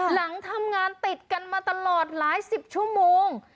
หลังทำงานติดกันมาตลอดหลายสิบชั่วโมง